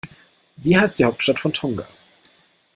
Wie heißt die Hauptstadt von Tonga?